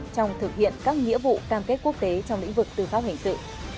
trong thực hiện các nghĩa vụ cam kết quốc tế trong lĩnh vực tư pháp hình sự